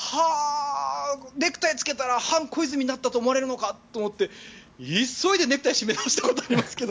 ネクタイをつけたら反小泉派になったと思われたのかと思って急いでネクタイを締め直したことがありますけど。